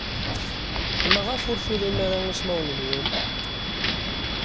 Maɣef ur turim ara ismawen-nwen?